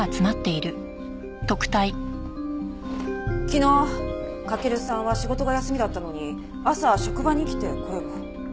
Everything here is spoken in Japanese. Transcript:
昨日駆さんは仕事が休みだったのに朝職場に来てこれを。